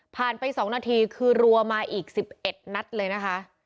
ไป๒นาทีคือรัวมาอีก๑๑นัดเลยนะคะ